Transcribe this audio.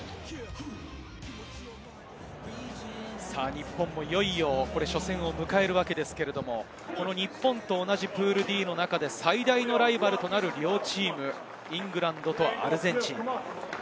日本もいよいよ初戦を迎えるわけですけれど、日本と同じプールＤの中で最大のライバルとなる両チーム、イングランドとアルゼンチン。